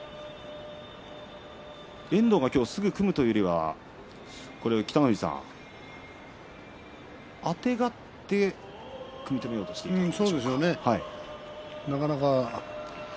遠藤、今日はすぐ組むというよりは、北の富士さんあてがって組み止めようとしていたんですか。